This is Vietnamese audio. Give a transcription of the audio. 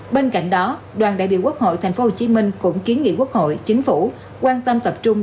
bên cạnh đó đoàn đại biểu quốc hội tp hcm cũng kiến nghị quốc hội chính phủ quan tâm tập trung